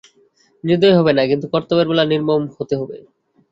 নির্দয় হবে না কিন্তু কর্তব্যের বেলা নির্মম হতে হবে।